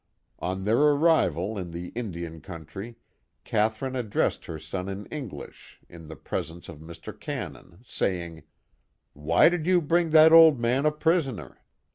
On their arrival in the Indian country, Catherine addressed her son in English in the pres ence of Mr. Cannon, saying: " Why did you bring that old man a prisoner